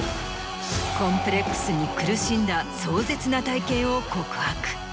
コンプレックスに苦しんだ壮絶な体験を告白。